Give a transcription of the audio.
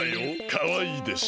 かわいいでしょ？